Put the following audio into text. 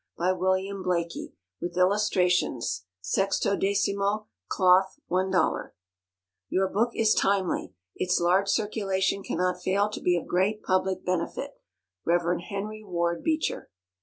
= By WILLIAM BLAIKIE. With Illustrations. 16mo, Cloth, $1.00. Your book is timely. Its large circulation cannot fail to be of great public benefit. Rev. HENRY WARD BEECHER.